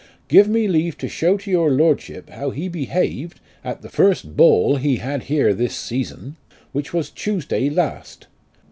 Give me leave to show to your Lords'hip how he beheaved at the firs't ball he had here thiss season which was Tus'day last.